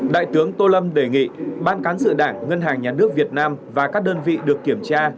đại tướng tô lâm đề nghị ban cán sự đảng ngân hàng nhà nước việt nam và các đơn vị được kiểm tra